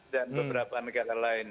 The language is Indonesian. dan beberapa negara lain